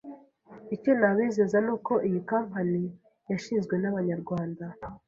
Icyo nabizeza ni uko iyi kampani yashinzwe n’Abanyarwanda